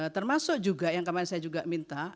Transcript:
termasuk juga yang kemarin saya juga minta